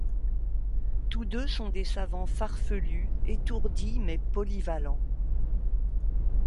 Tous deux sont des savants farfelus, étourdis mais polyvalents.